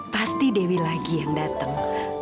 pasti dewi lagi yang datang